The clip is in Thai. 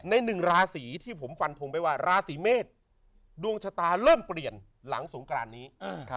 หนึ่งราศีที่ผมฟันทงไปว่าราศีเมษดวงชะตาเริ่มเปลี่ยนหลังสงกรานนี้